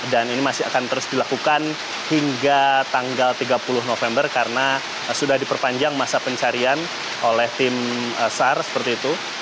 dan ini masih akan terus dilakukan hingga tanggal tiga puluh november karena sudah diperpanjang masa pencarian oleh tim sar seperti itu